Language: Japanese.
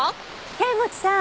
剣持さん！